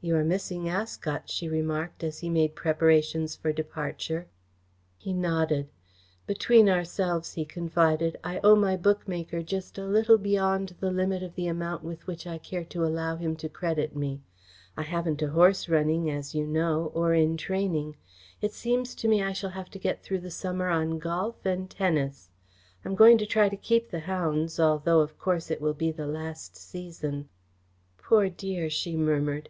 "You are missing Ascot," she remarked, as he made preparations for departure. He nodded. "Between ourselves," he confided, "I owe my bookmaker just a little beyond the limit of the amount with which I care to allow him to credit me. I haven't a horse running, as you know, or in training. It seems to me I shall have to get through the summer on golf and tennis. I am going to try and keep the hounds, although of course it will be the last season." "Poor dear!" she murmured.